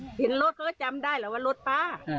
ผมก็เห็นเขาก็เคยจำได้อะคือรถปา